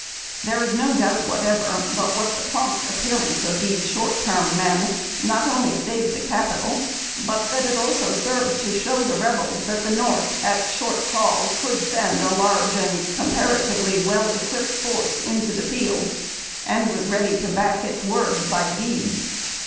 There is no doubt whatever but what the prompt appearance of these short term men not only saved the Caj) ital, but tlxat it served also to show the Rebels tliat the North at short call could send a large and comparatively THE TOCSIN OF WAB. 33 well equipped force into the field, and was ready to back its words by deeds.